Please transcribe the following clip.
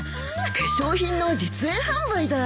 化粧品の実演販売だ。